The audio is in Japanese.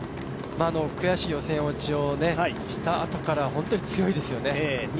悔しい予選落ちをしたあとから、本当に強いですよね。